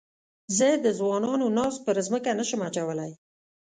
زه د ځوانانو ناز پر مځکه نه شم اچولای.